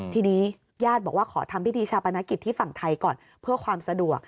ทีนี้ญาติบอกว่าขอทำพิธีชาปนกิจที่ฝั่งไทยก่อนเพื่อความสะดวก